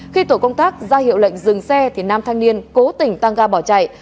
khi tổ công tác ra hiệu lệnh dừng xe thì nam thanh niên cố tình tăng ga bỏ chạy